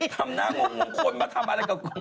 ทำงงคนมาทำอะไร